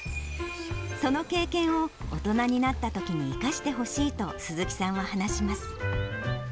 その経験を大人になったときに生かしてほしいと、鈴木さんは話します。